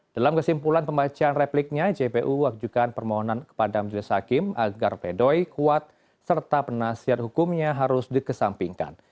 dalam kesimpulan pembacaan repliknya jpu wajibkan permohonan kepada majelis hakim agar pledoi kuat serta penasihat hukumnya harus dikesampingkan